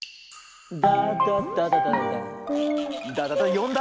よんだ？